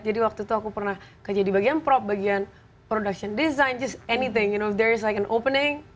jadi waktu itu aku pernah ke jadi bagian prop bagian production design just anything you know there is like an opening